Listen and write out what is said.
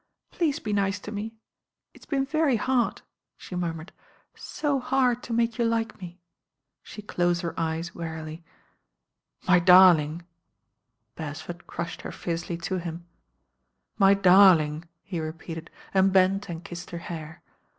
"Please be nice td me. It's been very hard," she murmured; "so hard to make you like me." She closed her eyes wearily. "My darling." Beresford crushed her fiercely to him. — S^»,..._ ,,5J5Jgy, THE MORNING AFTER £77 "My darling," he repeated, and bent and kissed her hair.